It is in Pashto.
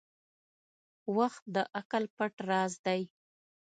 • وخت د عقل پټ راز دی.